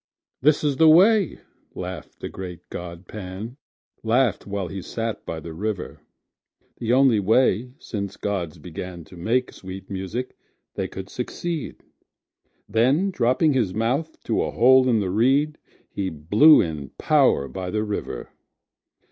"This is the way," laugh'd the great god Pan,(Laugh'd while he sat by the river,)"The only way, since gods beganTo make sweet music, they could succeed."Then, dropping his mouth to a hole in the reed, He blew in power by the river.